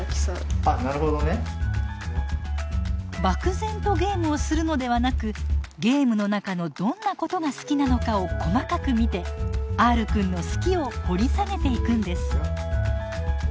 漠然とゲームをするのではなくゲームの中のどんなことが好きなのかを細かく見てＲくんの「好き」を掘り下げていくんです。